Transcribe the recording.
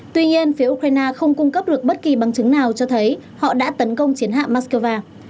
tuy nhiên phía ukraine không cung cấp được bất kỳ bằng chứng nào cho thấy họ đã tấn công chiến hạ moscow